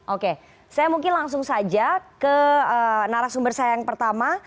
oke saya mungkin langsung saja ke narasumber saya yang pertama